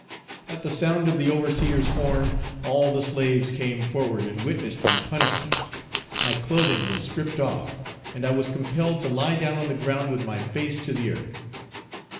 At the sound of the overseer's horn, all the slaves came forward and witnessed my punishment. My clothing was stripped off and I was compelled to lie down on the ground with my face to the earth.